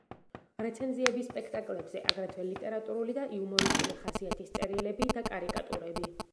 რეცენზიები სპექტაკლებზე, აგრეთვე ლიტერატურული და იუმორისტული ხასიათის წერილები და კარიკატურები.